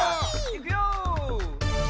いくよ！